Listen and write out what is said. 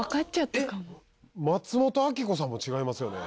松本明子さんも違いますよね？